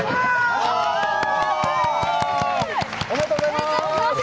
ありがとうございます！